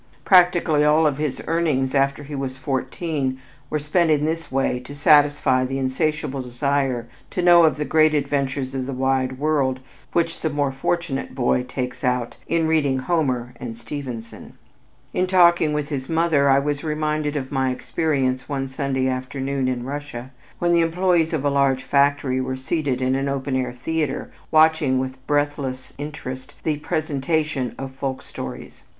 Practically all of his earnings after he was fourteen were spent in this way to satisfy the insatiable desire to know of the great adventures of the wide world which the more fortunate boy takes out in reading Homer and Stevenson. In talking with his mother, I was reminded of my experience one Sunday afternoon in Russia when the employees of a large factory were seated in an open air theater, watching with breathless interest the presentation of folk stories.